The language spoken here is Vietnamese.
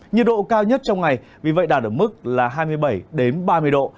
nhiệt độ cao nhất trong ngày vì vậy đạt ở mức là hai mươi bảy ba mươi độ